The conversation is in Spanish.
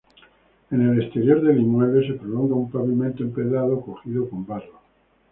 En el exterior del inmueble se prolonga un pavimento empedrado cogido con barro.